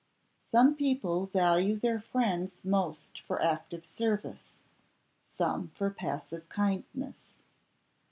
Some people value their friends most for active service, some for passive kindness.